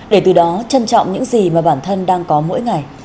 để từ đó trân trọng những gì mà bản thân đang có mỗi ngày